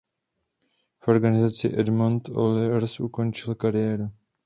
V organizaci Edmonton Oilers ukončil kariéru.